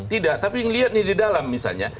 tidak tapi yang lihat di dalam misalnya